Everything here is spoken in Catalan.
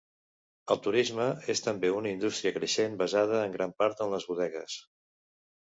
El turisme és també una indústria creixent basada en gran part en les bodegues.